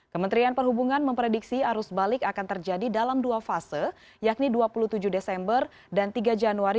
kementerian perhubungan memprediksi arus balik akan terjadi dalam dua fase yakni dua puluh tujuh desember dan tiga januari dua ribu dua puluh satu